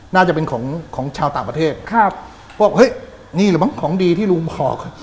น่าจะเป็นของชาวต่างประเทศบอกเฮ้ยนี่หรือเปล่าของดีที่รูมพอก